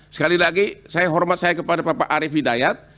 sekali lagi saya hormat saya kepada bapak arief hidayat